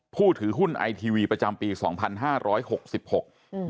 ผู้ถือหุ้นไอทีวีประจำปีสองพันห้าร้อยหกสิบหกอืม